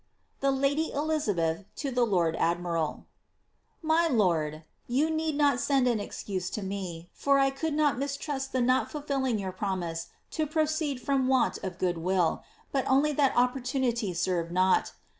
Thk Ladt Elizabeth to thb Lord Aomibal.* •My lord.— *• You needed not to send an excuse to me, for I could not mistrust the not ftil fillingyour promise to proceed from want of good will, but only that opportunity lerved not.